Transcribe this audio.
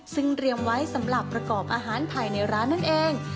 ซึ่งเตรียมไว้สำหรับประกอบอาหารภายในร้านนั่นเอง